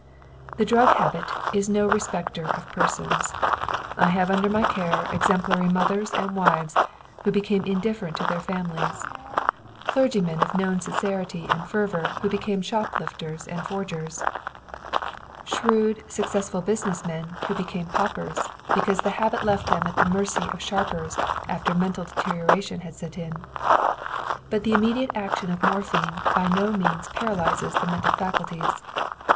The drug habit is no respecter of persons. I have had under my care exemplary mothers and wives who became indifferent to their families; clergymen of known sincerity and fervor who became shoplifters and forgers; shrewd, successful business men who became paupers, because the habit left them at the mercy of sharpers after mental deterioration had set in. But the immediate action of morphine by no means paralyzes the mental faculties.